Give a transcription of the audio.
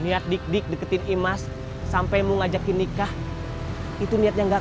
niat dik dik deketin imas sampaimu ngajakin nikah itu niatnya enggak